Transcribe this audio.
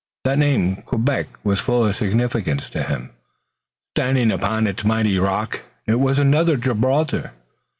That name, Quebec, was full of significance to him. Standing upon its mighty rock, it was another Gibraltar.